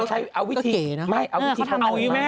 เออชัดเลยเอาวิธีเอาอย่างนี้แม่